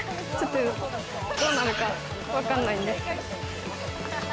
どうなるか、わかんないんですけど。